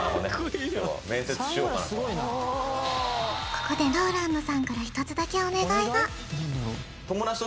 ここでＲＯＬＡＮＤさんから１つだけお願いが